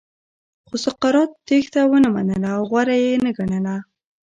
خو سقراط تېښته ونه منله او غوره یې نه ګڼله.